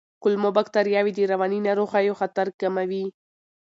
کولمو بکتریاوې د رواني ناروغیو خطر کموي.